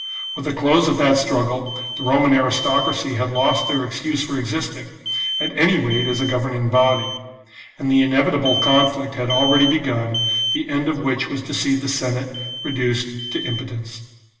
With the close of that struggle the Roman aristocracy had lost their excuse for existing, at any rate as a governing body ; and the inevitable conflict had already begun, the end of which was to see the Senate reduced to impotence.